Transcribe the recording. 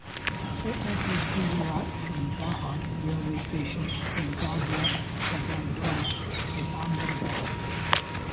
It enters Gujarat from Dahod railway station then Godhra, Vadodara and Ahmedabad.